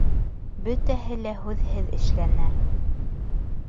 Бөтәһе лә һүҙһеҙ эшләнә.